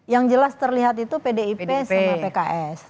yang jelas terlihat itu pdip sama pks